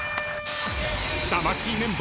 ［魂メンバー